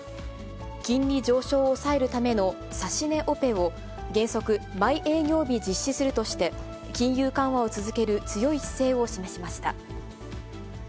金利上昇を抑えるための指し値オペを、原則、毎営業日実施するとして、金融緩和を続ける強い姿勢を示しました。